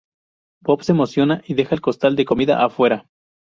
Bob se emociona y deja el costal de comida afuera.